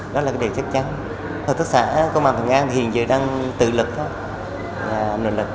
đó là điều chắc chắn hợp tác xã công an thành an hiện giờ đang tự lực nguồn lực